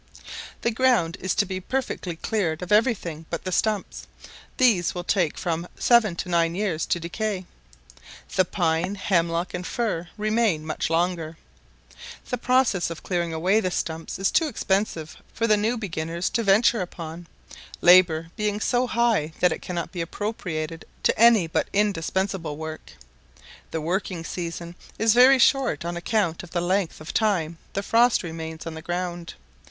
The ground is to be perfectly cleared of every thing but the stumps: these will take from seven to nine or ten years to decay; the pine, hemlock, and fir remain much longer. The process of clearing away the stumps is too expensive for new beginners to venture upon, labour being so high that it cannot be appropriated to any but indispensable work. The working season is very short on account of the length of time the frost remains on the ground.